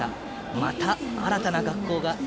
また新たな学校が。